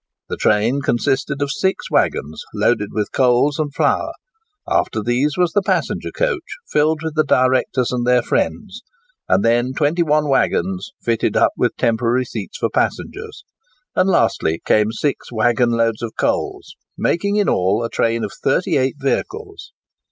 The train consisted of six waggons loaded with coals and flour; after these was the passenger coach, filled with the directors and their friends, and then twenty one waggons fitted up with temporary seats for passengers; and lastly came six waggon loads of coals, making in all a train of thirty eight vehicles.